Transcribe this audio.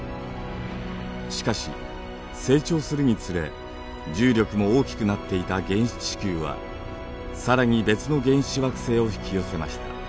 しかし成長するにつれ重力も大きくなっていた原始地球は更に別の原始惑星を引き寄せました。